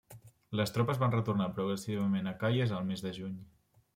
Les tropes van retornar progressivament a Kayes el mes de juny.